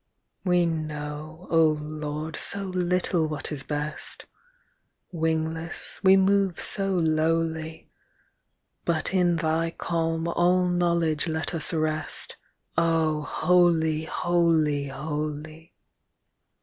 We know, O Lord, so little what is best; Wingless, we move so lowly; But in thy calm all knowledge let us rest Oh, holy, holy, holy!